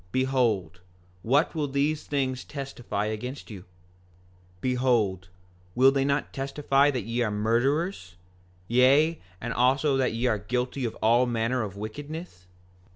Behold, what will these things testify against you? 5:23 Behold will they not testify that ye are murderers, yea, and also that ye are guilty of all manner of wickedness?